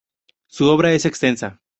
Su obra es extensa.